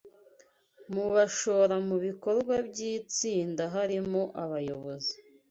mubashora mubikorwa bytsindaharimo abayobozi